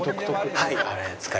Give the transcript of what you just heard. はい。